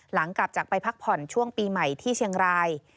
หลังจากไปพักผ่อนช่วงปีใหม่ที่เชียงราย